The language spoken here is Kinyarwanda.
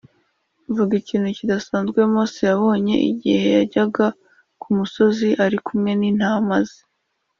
Vuga ikintu kidasanzwe Mose yabonye igihe yajyaga ku musozi ari kumwe n intama ze